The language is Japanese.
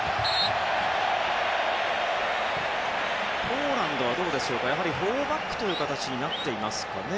ポーランドはどうでしょうか４バックという形になっていますかね。